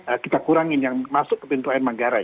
kita kurangin yang masuk ke pintu air manggarai